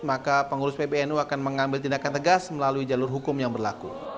maka pengurus pbnu akan mengambil tindakan tegas melalui jalur hukum yang berlaku